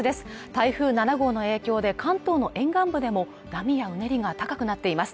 台風７号の影響で関東の沿岸部でも波やうねりが高くなっています